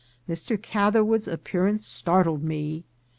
Mr. Catherwood's ap pearance startled me.